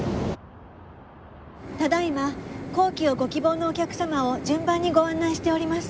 ただ今降機をご希望のお客様を順番にご案内しております。